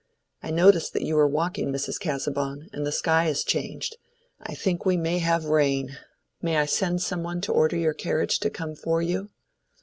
I noticed that you were walking, Mrs. Casaubon, and the sky has changed—I think we may have rain. May I send some one to order your carriage to come for you?"